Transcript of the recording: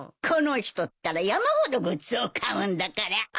この人ったら山ほどグッズを買うんだから。